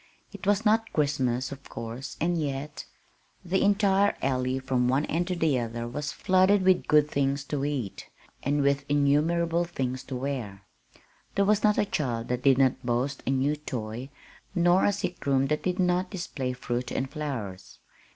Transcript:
It was not Christmas, of course; and yet The entire Alley from one end to the other was flooded with good things to eat, and with innumerable things to wear. There was not a child that did not boast a new toy, nor a sick room that did not display fruit and flowers.